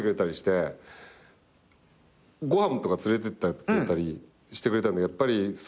ご飯とか連れていってくれたりしてくれたんだけどやっぱり。